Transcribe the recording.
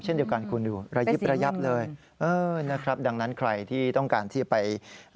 เช่นเดียวกันคุณดูระยิบระยับเลยเออนะครับดังนั้นใครที่ต้องการที่ไป